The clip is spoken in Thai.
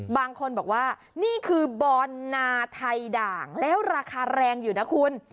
บางคนบอกว่านี่คือบอลนาไทยด่างแล้วราคาแรงอยู่นะคุณ